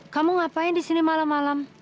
kamu ngapain di sini malam malam